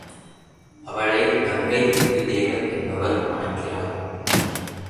அவளைக் கங்கை முத்துத் தேவர் என்பவர் மணக்கிறார்.